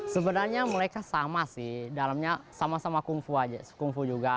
sebenarnya mereka sama sih dalamnya sama sama kungfu aja kungfu juga